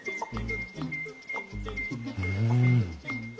うん！